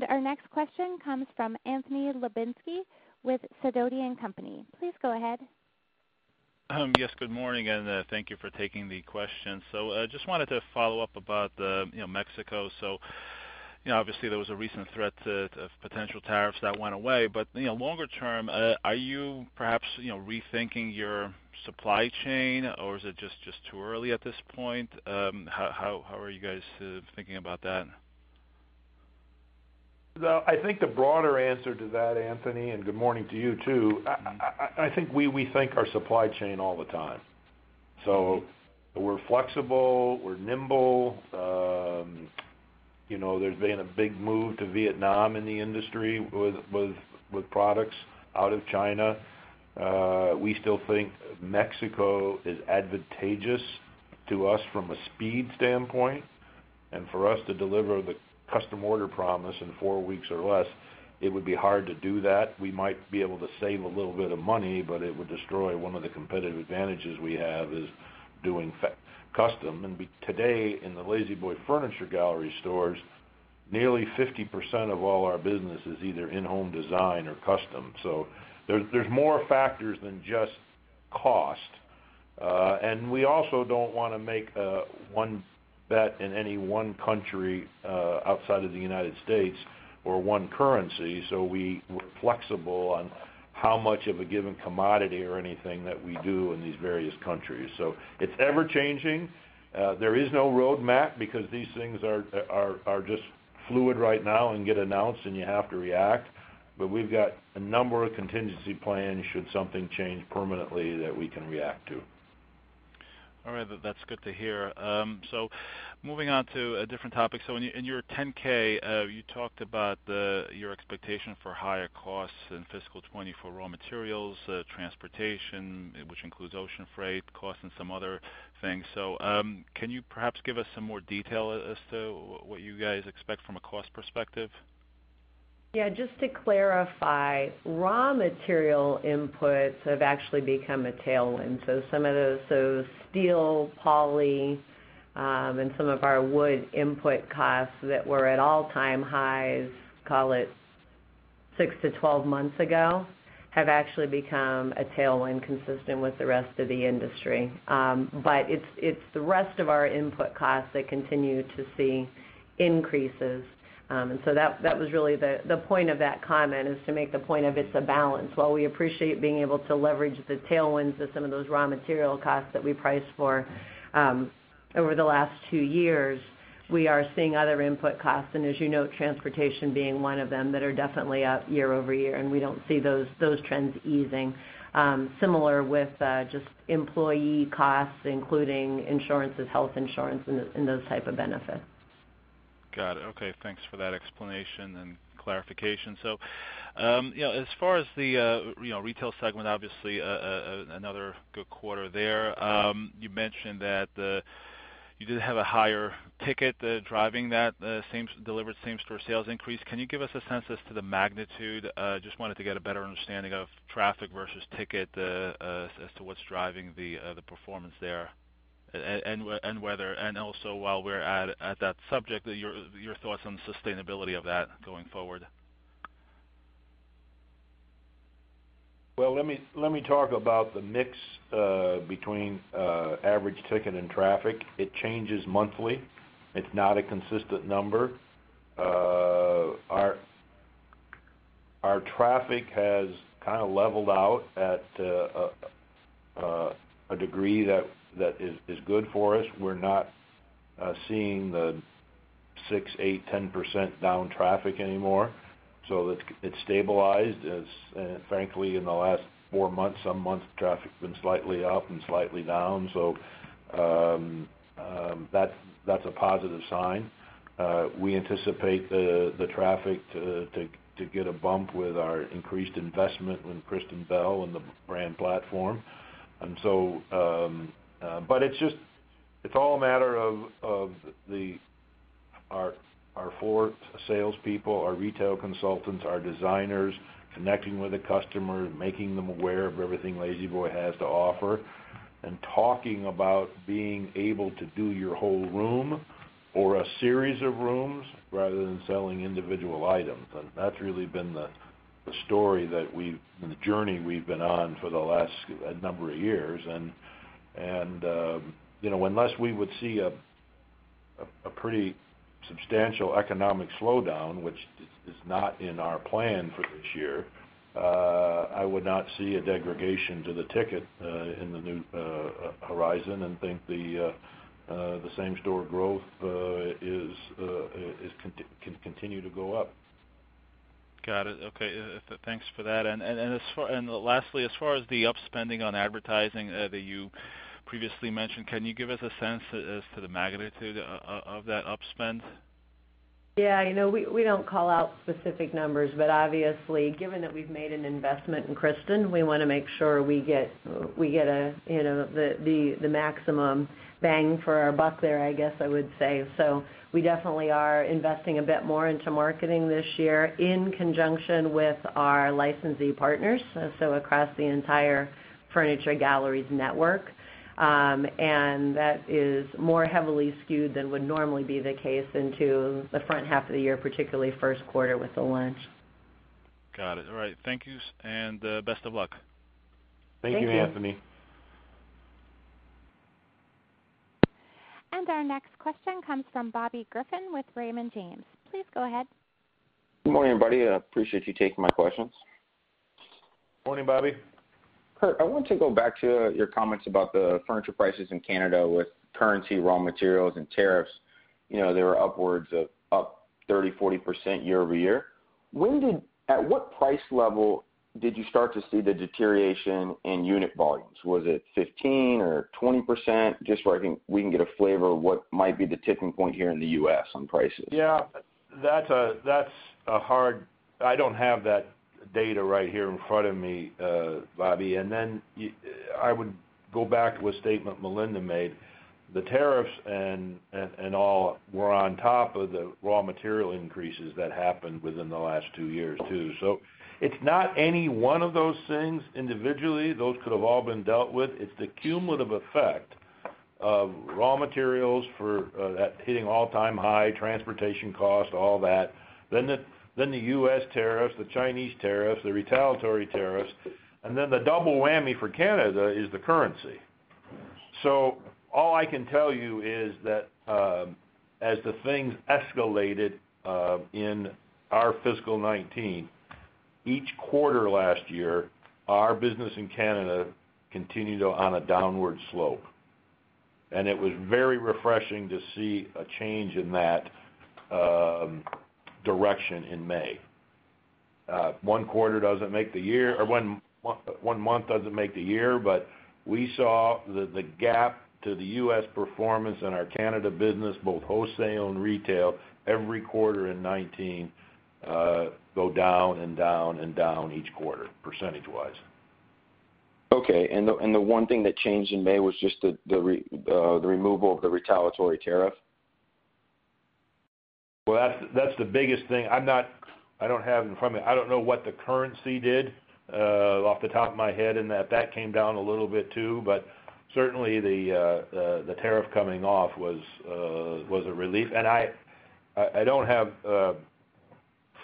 Our next question comes from Anthony Lebiedzinski with Sidoti & Company. Please go ahead. Yes, good morning, and thank you for taking the question. Just wanted to follow up about Mexico. Obviously there was a recent threat of potential tariffs that went away. Longer term, are you perhaps rethinking your supply chain, or is it just too early at this point? How are you guys thinking about that? I think the broader answer to that, Anthony, and good morning to you, too, I think we think our supply chain all the time. We're flexible, we're nimble. There's been a big move to Vietnam in the industry with products out of China. We still think Mexico is advantageous to us from a speed standpoint. For us to deliver the custom order promise in four weeks or less, it would be hard to do that. We might be able to save a little bit of money, but it would destroy one of the competitive advantages we have is doing custom. Today in the La-Z-Boy Furniture Galleries stores, nearly 50% of all our business is either in-home design or custom. There's more factors than just cost. We also don't want to make one bet in any one country outside of the United States or one currency. We're flexible on how much of a given commodity or anything that we do in these various countries. It's ever-changing. There is no roadmap because these things are just fluid right now and get announced, and you have to react. We've got a number of contingency plans should something change permanently that we can react to. All right. That's good to hear. Moving on to a different topic. In your Form 10-K, you talked about your expectation for higher costs in fiscal 2020 for raw materials, transportation, which includes ocean freight costs and some other things. Can you perhaps give us some more detail as to what you guys expect from a cost perspective? Just to clarify, raw material inputs have actually become a tailwind. Some of those steel, poly, and some of our wood input costs that were at all-time highs, call it 6 to 12 months ago, have actually become a tailwind consistent with the rest of the industry. It's the rest of our input costs that continue to see increases. That was really the point of that comment is to make the point of it's a balance. While we appreciate being able to leverage the tailwinds of some of those raw material costs that we priced for over the last two years, we are seeing other input costs, and as you know, transportation being one of them, that are definitely up year-over-year, and we don't see those trends easing. Similar with just employee costs, including insurances, health insurance, and those type of benefits. Got it. Okay. Thanks for that explanation and clarification. As far as the retail segment, obviously another good quarter there. You mentioned that you did have a higher ticket driving that delivered same-store sales increase. Can you give us a sense as to the magnitude? Just wanted to get a better understanding of traffic versus ticket as to what's driving the performance there, and also while we're at that subject, your thoughts on sustainability of that going forward. Let me talk about the mix between average ticket and traffic. It changes monthly. It's not a consistent number. Our traffic has kind of leveled out at a degree that is good for us. We're not seeing the 6%, 8%, 10% down traffic anymore. It's stabilized. Frankly, in the last four months, some months traffic's been slightly up and slightly down. That's a positive sign. We anticipate the traffic to get a bump with our increased investment with Kristen Bell and the brand platform. It's all a matter of our floor salespeople, our retail consultants, our designers, connecting with the customer, making them aware of everything La-Z-Boy has to offer, and talking about being able to do your whole room or a series of rooms rather than selling individual items. That's really been the journey we've been on for the last number of years. Unless we would see a pretty substantial economic slowdown, which is not in our plan for this year, I would not see a degradation to the ticket in the new horizon and think the same-store growth can continue to go up. Got it. Okay. Thanks for that. Lastly, as far as the up-spending on advertising that you previously mentioned, can you give us a sense as to the magnitude of that up-spend? Yeah. We don't call out specific numbers, but obviously, given that we've made an investment in Kristen, we want to make sure we get the maximum bang for our buck there, I guess I would say. We definitely are investing a bit more into marketing this year in conjunction with our licensee partners, across the entire Furniture Galleries network. That is more heavily skewed than would normally be the case into the front half of the year, particularly first quarter with the launch. Got it. All right. Thank you, and best of luck. Thank you, Anthony. Thank you. Our next question comes from Bobby Griffin with Raymond James. Please go ahead. Good morning, everybody. I appreciate you taking my questions. Morning, Bobby. Kurt, I want to go back to your comments about the furniture prices in Canada with currency, raw materials, and tariffs. They were upwards of up 30%-40% year-over-year. At what price level did you start to see the deterioration in unit volumes? Was it 15% or 20%? Just so we can get a flavor of what might be the tipping point here in the U.S. on prices. Yeah. I don't have that data right here in front of me, Bobby. Then I would go back to a statement Melinda made. The tariffs and all were on top of the raw material increases that happened within the last two years, too. It's not any one of those things individually. Those could have all been dealt with. It's the cumulative effect of raw materials hitting all-time high, transportation costs, all that. The U.S. tariffs, the Chinese tariffs, the retaliatory tariffs, and then the double whammy for Canada is the currency. All I can tell you is that as the things escalated in our fiscal 2019, each quarter last year, our business in Canada continued on a downward slope, and it was very refreshing to see a change in that direction in May. One month doesn't make the year, we saw the gap to the U.S. performance in our Canada business, both wholesale and retail, every quarter in 2019 go down and down and down each quarter, percentage-wise. Okay, the one thing that changed in May was just the removal of the retaliatory tariff? Well, that's the biggest thing. I don't know what the currency did off the top of my head in that. That came down a little bit, too. Certainly, the tariff coming off was a relief. I don't have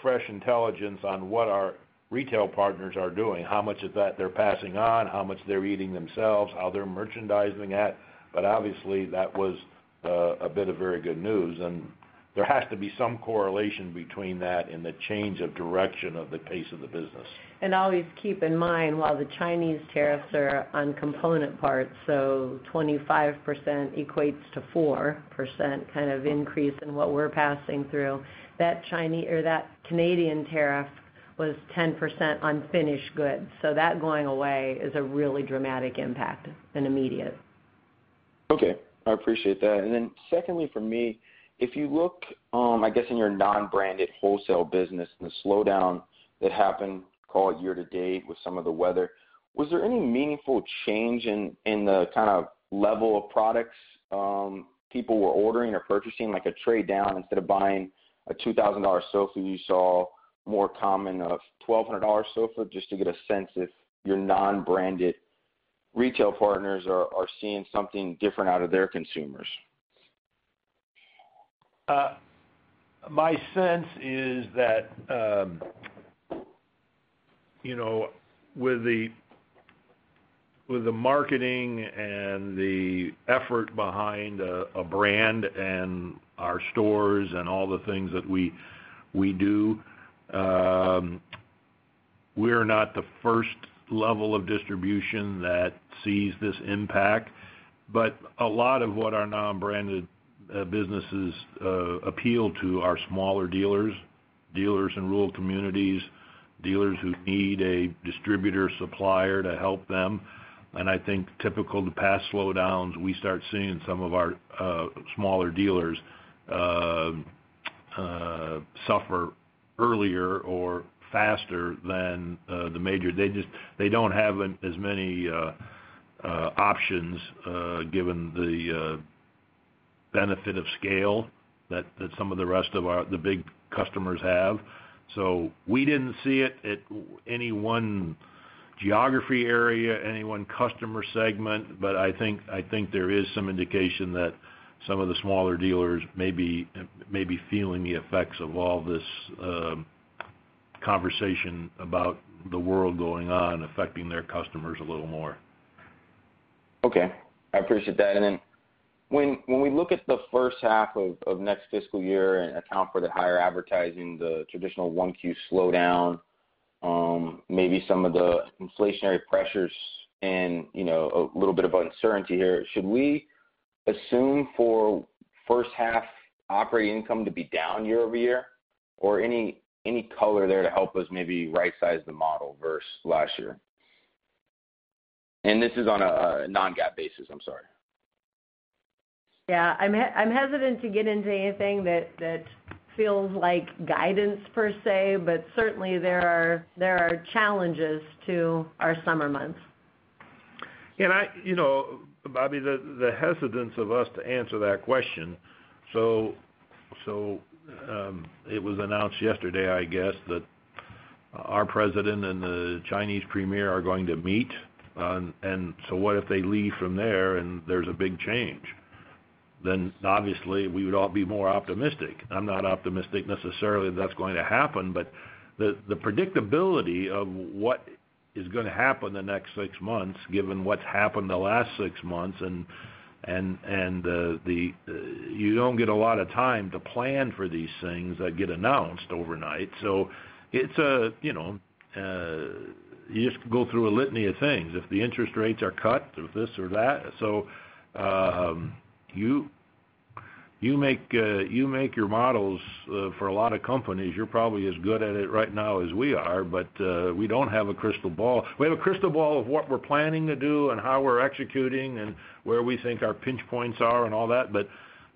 fresh intelligence on what our retail partners are doing, how much of that they're passing on, how much they're eating themselves, how they're merchandising that. Obviously, that was a bit of very good news. There has to be some correlation between that and the change of direction of the pace of the business. Always keep in mind, while the Chinese tariffs are on component parts, 25% equates to 4% increase in what we're passing through, that Canadian tariff was 10% on finished goods. That going away is a really dramatic impact, and immediate. Okay. I appreciate that. Secondly for me, if you look, I guess in your non-branded wholesale business and the slowdown that happened, call it year-to-date with some of the weather, was there any meaningful change in the kind of level of products people were ordering or purchasing, like a trade down instead of buying a $2,000 sofa, you saw more common a $1,200 sofa? Just to get a sense if your non-branded retail partners are seeing something different out of their consumers. My sense is that, with the marketing and the effort behind a brand and our stores and all the things that we do, we're not the first level of distribution that sees this impact. A lot of what our non-branded businesses appeal to are smaller dealers in rural communities, dealers who need a distributor supplier to help them, and I think typical to past slowdowns, we start seeing some of our smaller dealers suffer earlier or faster than the major. They don't have as many options given the benefit of scale that some of the rest of the big customers have. We didn't see it at any one geography area, any one customer segment, but I think there is some indication that some of the smaller dealers may be feeling the effects of all this conversation about the world going on affecting their customers a little more. Okay. I appreciate that. When we look at the first half of next fiscal year and account for the higher advertising, the traditional 1Q slowdown, maybe some of the inflationary pressures and a little bit of uncertainty here, should we assume for first half operating income to be down year-over-year? Any color there to help us maybe right-size the model versus last year? This is on a non-GAAP basis, I'm sorry. Yeah. I'm hesitant to get into anything that feels like guidance per se, certainly there are challenges to our summer months. Bobby, the hesitance of us to answer that question, it was announced yesterday, I guess, that our president and the Chinese premier are going to meet, what if they leave from there and there's a big change? Obviously we would all be more optimistic. I'm not optimistic necessarily that's going to happen, the predictability of what is going to happen the next six months, given what's happened the last six months, you don't get a lot of time to plan for these things that get announced overnight. You just go through a litany of things, if the interest rates are cut, if this or that. You make your models for a lot of companies, you're probably as good at it right now as we are, we don't have a crystal ball. We have a crystal ball of what we're planning to do and how we're executing and where we think our pinch points are and all that, but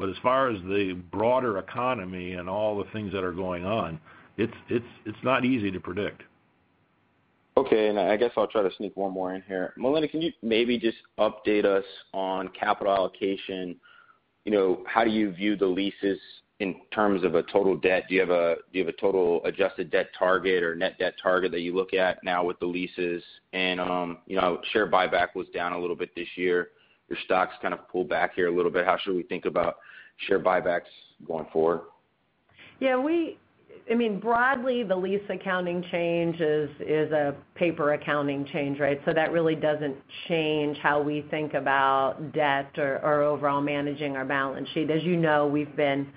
as far as the broader economy and all the things that are going on, it's not easy to predict. Okay. I guess I'll try to sneak one more in here. Melinda, can you maybe just update us on capital allocation? How do you view the leases in terms of a total debt? Do you have a total adjusted debt target or net debt target that you look at now with the leases? Share buyback was down a little bit this year. Your stock's kind of pulled back here a little bit. How should we think about share buybacks going forward? Yeah. Broadly, the lease accounting change is a paper accounting change, right? That really doesn't change how we think about debt or overall managing our balance sheet. As you know, we've been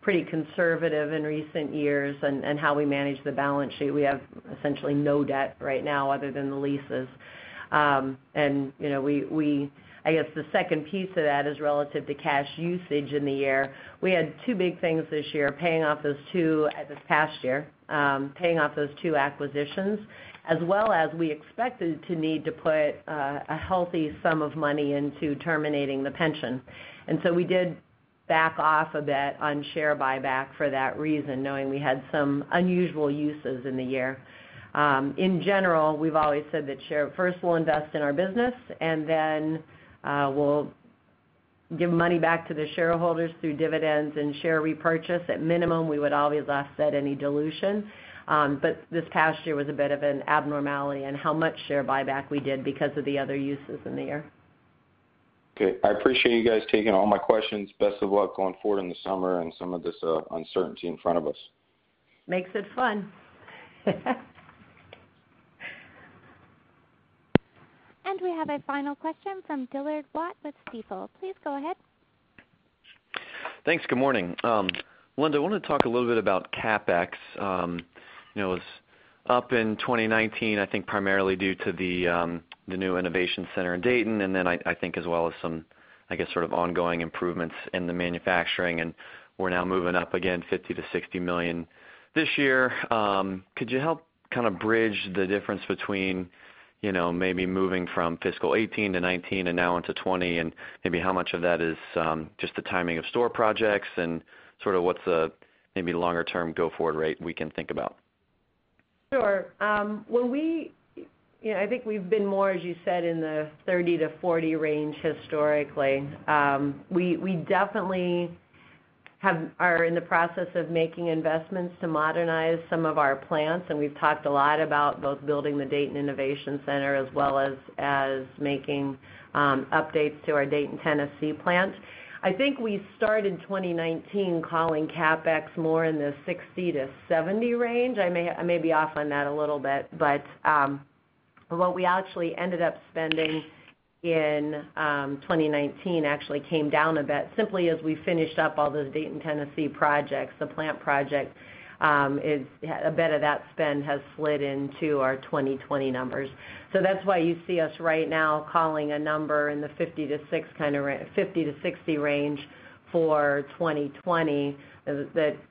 pretty conservative in recent years in how we manage the balance sheet. We have essentially no debt right now other than the leases. I guess the second piece of that is relative to cash usage in the year. We had two big things this year, paying off this past year, paying off those two acquisitions, as well as we expected to need to put a healthy sum of money into terminating the pension. We did back off a bit on share buyback for that reason, knowing we had some unusual uses in the year. In general, we've always said that first we'll invest in our business and then we'll give money back to the shareholders through dividends and share repurchase. At minimum, we would always offset any dilution. This past year was a bit of an abnormality in how much share buyback we did because of the other uses in the year. Okay. I appreciate you guys taking all my questions. Best of luck going forward in the summer and some of this uncertainty in front of us. Makes it fun. We have a final question from Dillard Watt with Stifel. Please go ahead. Thanks. Good morning. Melinda, I want to talk a little bit about CapEx. It was up in 2019, I think primarily due to the new innovation center in Dayton, and then I think as well as some, I guess, sort of ongoing improvements in the manufacturing, and we're now moving up again $50 million-$60 million this year. Could you help kind of bridge the difference between maybe moving from fiscal 2018 to 2019 and now into 2020 and maybe how much of that is just the timing of store projects and sort of what's the maybe longer term go-forward rate we can think about? Sure. I think we've been more, as you said, in the 30-40 range historically. We definitely are in the process of making investments to modernize some of our plants, and we've talked a lot about both building the Dayton Innovation Center as well as making updates to our Dayton, Tennessee plant. I think we started 2019 calling CapEx more in the $60 million-$70 million range. I may be off on that a little bit, but what we actually ended up spending in 2019 actually came down a bit simply as we finished up all those Dayton, Tennessee projects. The plant project, a bit of that spend has slid into our 2020 numbers. That's why you see us right now calling a number in the $50 million-$60 million range for 2020. That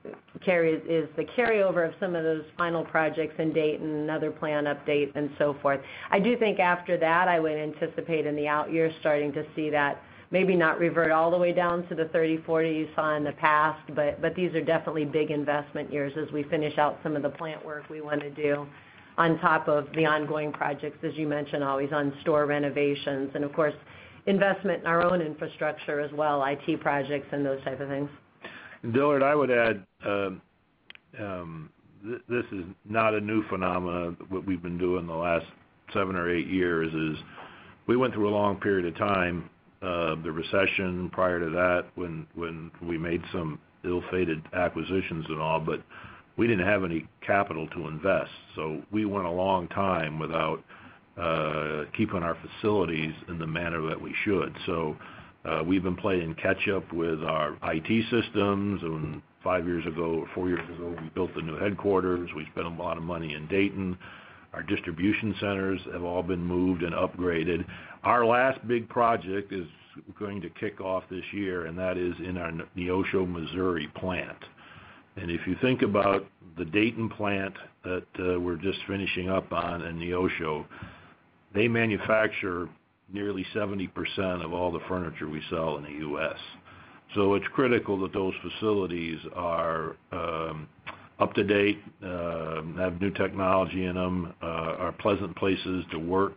is the carryover of some of those final projects in Dayton, another plant update, and so forth. I do think after that, I would anticipate in the out years starting to see that maybe not revert all the way down to the $30 million-$40 million you saw in the past. These are definitely big investment years as we finish out some of the plant work we want to do on top of the ongoing projects, as you mentioned, always on store renovations and, of course, investment in our own infrastructure as well, IT projects and those type of things. Dillard, I would add, this is not a new phenomenon. What we've been doing the last seven or eight years is we went through a long period of time, the recession prior to that, when we made some ill-fated acquisitions and all. We didn't have any capital to invest. We went a long time without keeping our facilities in the manner that we should. We've been playing catch up with our IT systems. Five years ago, four years ago, we built the new headquarters. We spent a lot of money in Dayton. Our distribution centers have all been moved and upgraded. Our last big project is going to kick off this year. That is in our Neosho, Missouri plant. If you think about the Dayton plant that we're just finishing up on and Neosho, they manufacture nearly 70% of all the furniture we sell in the U.S. It's critical that those facilities are up to date, have new technology in them, are pleasant places to work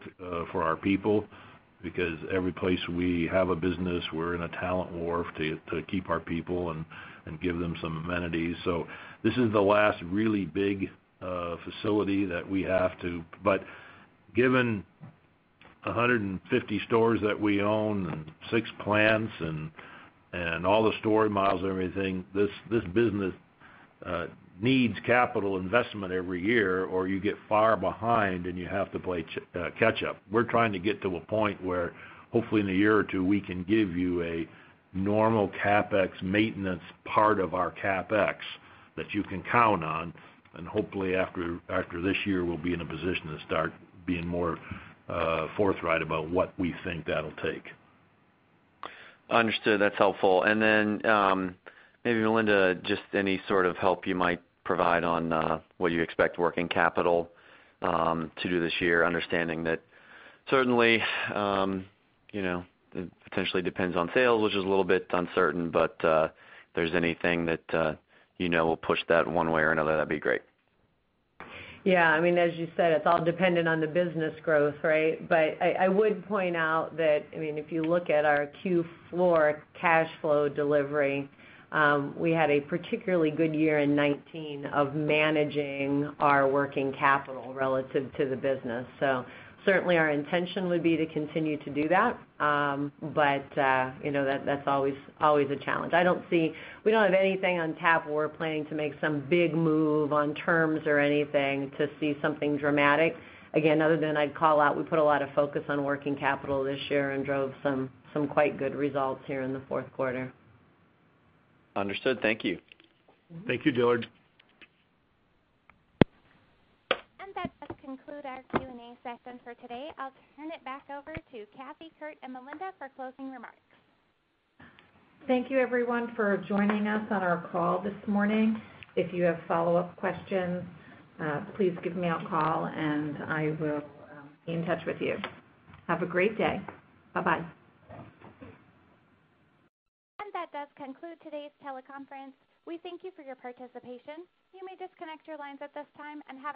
for our people, because every place we have a business, we're in a talent war to keep our people and give them some amenities. This is the last really big facility that we have to. Given 150 stores that we own and six plants and all the store miles and everything, this business needs capital investment every year, or you get far behind and you have to play catch up. We're trying to get to a point where hopefully in a year or two, we can give you a normal CapEx maintenance part of our CapEx that you can count on. Hopefully after this year, we'll be in a position to start being more forthright about what we think that'll take. Understood. That's helpful. Maybe Melinda, just any sort of help you might provide on what you expect working capital to do this year, understanding that certainly, it potentially depends on sales, which is a little bit uncertain, but if there's anything that you know will push that one way or another, that'd be great. Yeah. As you said, it's all dependent on the business growth, right? I would point out that if you look at our Q4 cash flow delivery, we had a particularly good year in 2019 of managing our working capital relative to the business. Certainly our intention would be to continue to do that, but that's always a challenge. We don't have anything on tap. We're planning to make some big move on terms or anything to see something dramatic. Again, other than I'd call out, we put a lot of focus on working capital this year and drove some quite good results here in the fourth quarter. Understood. Thank you. Thank you, Dillard. That does conclude our Q&A session for today. I'll turn it back over to Kathy, Kurt, and Melinda for closing remarks. Thank you everyone for joining us on our call this morning. If you have follow-up questions, please give me a call and I will be in touch with you. Have a great day. Bye-bye. That does conclude today's teleconference. We thank you for your participation. You may disconnect your lines at this time, and have.